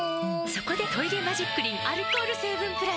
そこで「トイレマジックリン」アルコール成分プラス！